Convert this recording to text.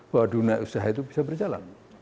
bahwa dunia usaha itu bisa berjalan